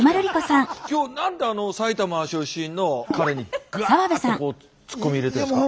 今日何で埼玉出身の彼にガッとこうツッコミ入れてんですか？